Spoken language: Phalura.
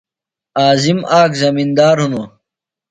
عظیم آک زمِندار ہِنوۡ۔